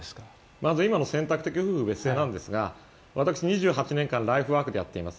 まず今の選択的夫婦別姓なんですが私、２８年間ライフワークでやっています。